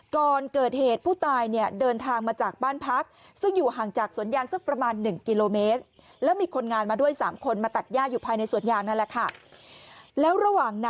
ก่อนเกิดเหตุผู้ตายเนี่ยเดินทางมาจากบ้านพักซึ่งอยู่ห่างจากสวนยางสักประมาณ๑กิโลเมตร